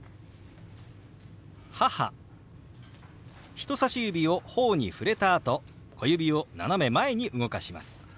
人さし指を頬に触れたあと小指を斜め前に動かします。